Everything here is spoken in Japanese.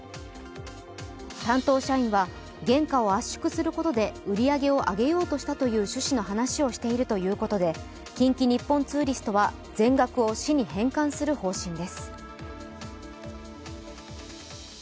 担当社員は原価を圧縮することで売り上げを上げようとしたという趣旨の話をしているということで近畿日本ツーリストは全額を市に返還する方針です。